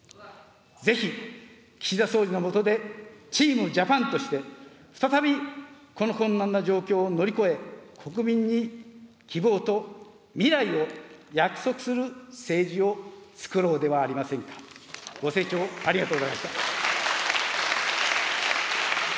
ぜひ岸田総理の下で、チームジャパンとして、再びこの困難な状況を乗り越え、国民に希望と未来を約束する政治をつくろうではありませんか。ご清聴、ありがとうございました。